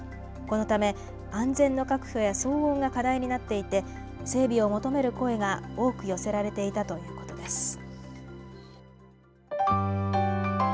このため安全の確保や騒音が課題になっていて整備を求める声が、多く寄せられていたということです。